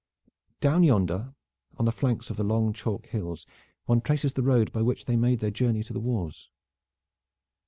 Down yonder on the flanks of the long chalk hills one traces the road by which they made their journey to the wars.